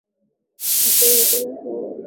aa wachunguza kila siku za serikali ya kiba